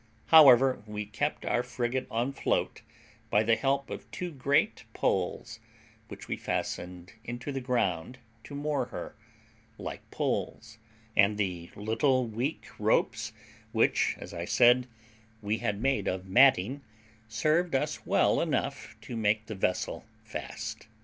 However, we kept our frigate on float by the help of two great poles, which we fastened into the ground to moor her, like poles; and the little weak ropes, which, as I said, we had made of matting, served us well enough to make the vessel fast.